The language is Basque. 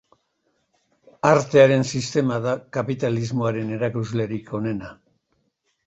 Artearen sistema da kapitalismoaren erakuslerik onena.